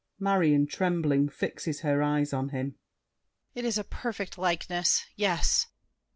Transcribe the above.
[Marion, trembling, fixes her eyes on him. It is a perfect likeness! Yes.